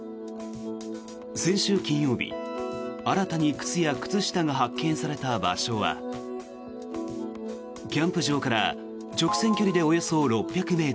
先週金曜日、新たに靴や靴下が発見された場所はキャンプ場から直線距離でおよそ６００ｍ。